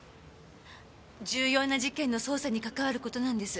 重要な事件の捜査に関わる事なんです。